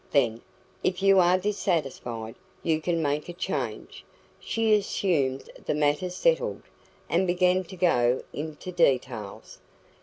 Then, if you are dissatisfied, you can make a change." She assumed the matter settled, and began to go into details.